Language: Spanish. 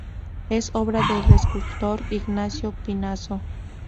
Es obra del escultor Ignacio Pinazo.